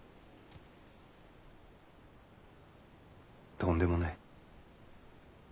とんでもない。